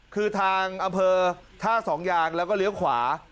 คือทางอำเภอท่าสองยางแล้วก็เลี้ยวขวา